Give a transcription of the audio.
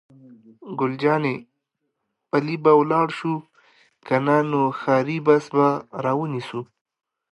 ګل جانې: پلي به ولاړ شو، که نه نو ښاري بس به را ونیسو.